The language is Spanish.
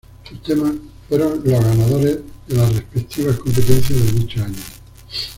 Sus temas fueron los ganadores de las respectivas competencias de dicho año.